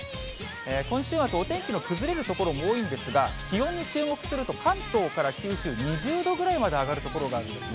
今週末、お天気の崩れる所も多いんですが、気温に注目すると、関東から九州、２０度ぐらいまで上がる所があるんですね。